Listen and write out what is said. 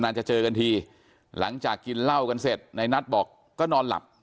จะเจอกันทีหลังจากกินเหล้ากันเสร็จในนัทบอกก็นอนหลับ